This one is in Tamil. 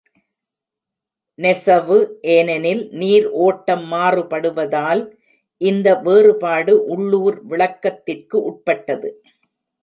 நெசவு, ஏனெனில் நீர் ஓட்டம் மாறுபடுவதால். இந்த வேறுபாடு உள்ளூர் விளக்கத்திற்கு உட்பட்டது.